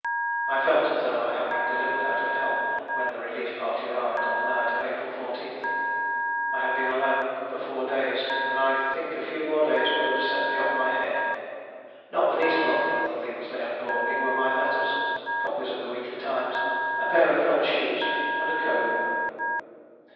I felt as though I had been delivered out of hell when the relief party arrived on the night of April 14. I had been alone four days, and I think a few more days would have sent me off my head. Not the least welcome of the things they had brought me were my letters, copies of the Weekly Times, a pair of felt shoes and a comb!